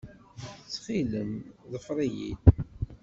Ttxil-m, ḍfer-iyi-d.